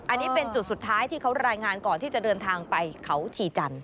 อันนี้เป็นจุดสุดท้ายที่เขารายงานก่อนที่จะเดินทางไปเขาชีจันทร์